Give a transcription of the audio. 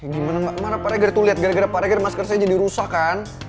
gimana pak regar tuh liat gara gara pak regar masker saya jadi rusak kan